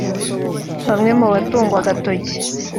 Bamwe mu batungwa agatoki